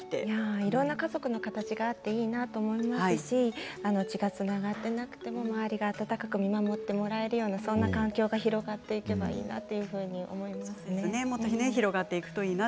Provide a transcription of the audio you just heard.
いろんな家族の形があっていいなと思いますし血がつながっていなくても周りが温かく見守ってもらえるようなそんな環境が広がっていけばいいなというふうに思いますね。